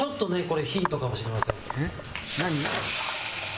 これヒントかもしれません。